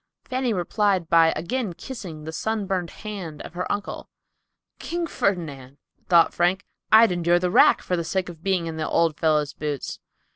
Fanny replied by again kissing the sunburned hand of her uncle. "King Ferdinand!" thought Frank, "I'd endure the rack for the sake of being in the old fellow's boots."